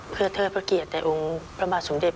เพื่อเทอดประเกียจแต่องค์พระบาทศูนเดส